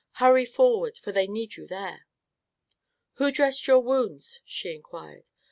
Hurry forward, for they need you there." "Who dressed your wounds?" she inquired.